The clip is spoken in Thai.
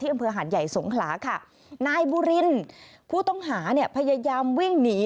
อำเภอหาดใหญ่สงขลาค่ะนายบุรินผู้ต้องหาเนี่ยพยายามวิ่งหนี